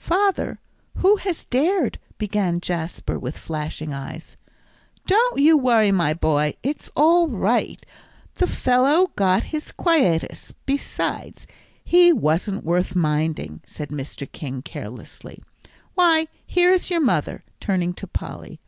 "Father, who has dared " began Jasper, with flashing eyes. "Don't you worry, my boy; it's all right, the fellow got his quietus; besides, he wasn't worth minding," said Mr. King, carelessly. "Why, here is your mother," turning to Polly.